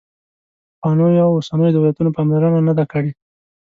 پخوانیو او اوسنیو دولتونو پاملرنه نه ده کړې.